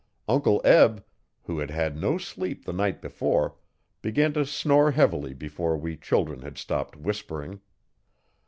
Uncle Eb, who had had no sleep the night before, began to snore heavily before we children had stopped whispering.